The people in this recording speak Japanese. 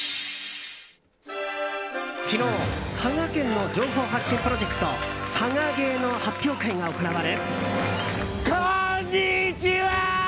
昨日佐賀県の情報発信プロジェクト「佐賀ゲー」の発表会が行われ。